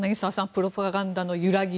プロパガンダの揺らぎ